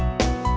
oke sampai jumpa